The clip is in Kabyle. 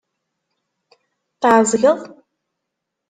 Tɛeẓged?